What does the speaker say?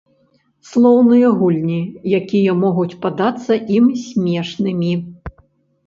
Слоўныя гульні, якія могуць падацца ім смешнымі.